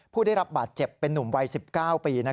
ผู้ได้รับบาดเจ็บเป็นนุ่มวัย๑๙ปี